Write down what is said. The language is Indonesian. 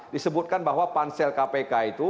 disebutkan bahwa pansel kpk itu